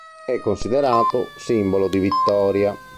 È considerato simbolo di vittoria.